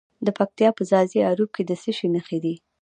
د پکتیا په ځاځي اریوب کې د څه شي نښې دي؟